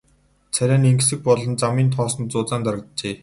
Царай нь энгэсэг болон замын тоосонд зузаан дарагджээ.